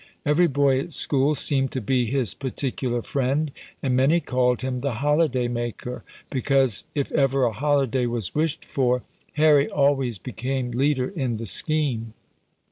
Every boy at school seemed to be his particular friend, and many called him "the holiday maker," because, if ever a holiday was wished for, Harry always became leader in the scheme.